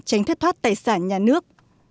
tránh thất thoát tài sản nhà nước